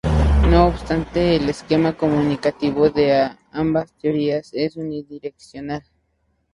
No obstante, el esquema comunicativo de ambas teorías es unidireccional.